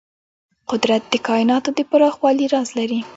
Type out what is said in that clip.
قدرت د کایناتو د پراخوالي راز لري.